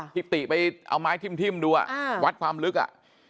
ค่ะไปเอาไม้ทิ้มทิ้มดูอ่ะอ่าวัดความลึกอ่ะ